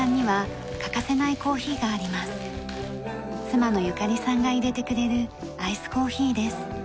妻の由香利さんが淹れてくれるアイスコーヒーです。